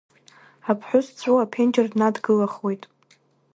Аԥҳәыс дҵәыуо аԥенџьыр днадгылахуеит.